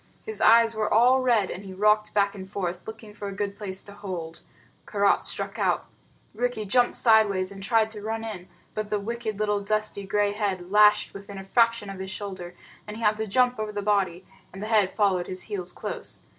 His eyes were all red, and he rocked back and forth, looking for a good place to hold. Karait struck out. Rikki jumped sideways and tried to run in, but the wicked little dusty gray head lashed within a fraction of his shoulder, and he had to jump over the body, and the head followed his heels close.